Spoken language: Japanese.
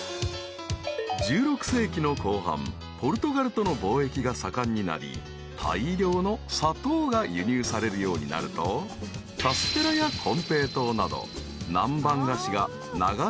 ［１６世紀の後半ポルトガルとの貿易が盛んになり大量の砂糖が輸入されるようになるとカステラやコンペイトーなど］